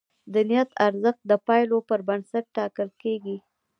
د نیت ارزښت د پایلو پر بنسټ ټاکل کېږي.